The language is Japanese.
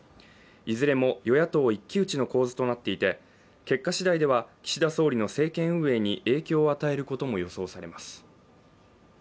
いずれも与野党一騎打ちの構図となっていて結果次第では岸田総理の政権運営に影響を与えることも予想されます。